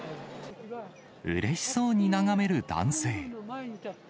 うれしそうに眺める男性。